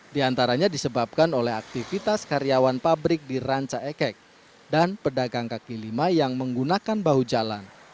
di antaranya disebabkan oleh aktivitas karyawan pabrik di ranca ekek dan pedagang kaki lima yang menggunakan bahu jalan